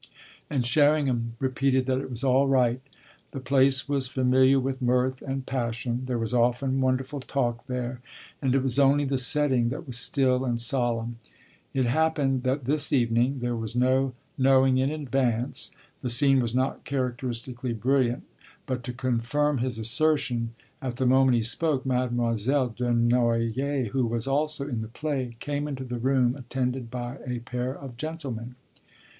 And Sherringham repeated that it was all right the place was familiar with mirth and passion, there was often wonderful talk there, and it was only the setting that was still and solemn. It happened that this evening there was no knowing in advance the scene was not characteristically brilliant; but to confirm his assertion, at the moment he spoke, Mademoiselle Dunoyer, who was also in the play, came into the room attended by a pair of gentlemen.